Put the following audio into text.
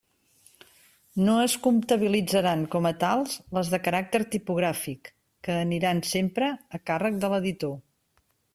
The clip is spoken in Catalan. No es comptabilitzaran com a tals les de caràcter tipogràfic que aniran sempre a càrrec de l'editor.